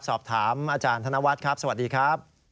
สอบถามอาจารย์ธนวัฒน์ครับสวัสดีครับ